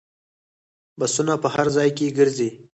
بسونه په هر ځای کې ګرځي.